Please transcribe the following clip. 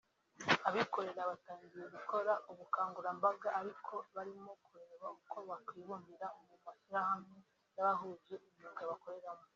abikorera batangiye gukora ubukangurambaga ariko barimo kureba uko bakwibumbira mu mashyirahamwe y’abahuje imyuga bakoreramo